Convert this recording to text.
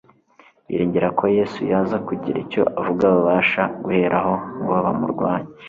biringira ko Yesu yaza kugira icyo avuga babasha guheraho ngo bamurwanye;